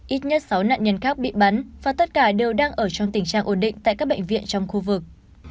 ít nhất sáu nạn nhân khác bị bắn và tất cả đều đang ở trong tình trạng ổn định tại các bệnh viện trong khu vực